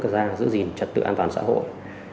giữ gìn trật tự an toàn xã hội